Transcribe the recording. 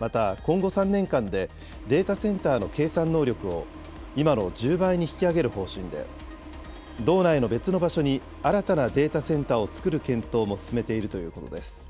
また、今後３年間でデータセンターの計算能力を今の１０倍に引き上げる方針で、道内の別の場所に新たなデータセンターを作る検討も進めているということです。